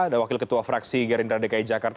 ada wakil ketua fraksi gerindra dki jakarta